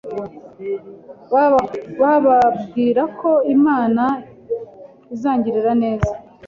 bakambwirako Imana izangirira neza.